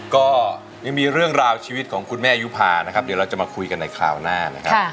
ก็ยังมีเรื่องราวชีวิตของคุณแม่ยุภานะครับเดี๋ยวเราจะมาคุยกันในคราวหน้านะครับ